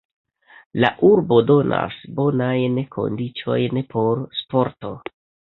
La urbo donas bonajn kondiĉojn por sporto.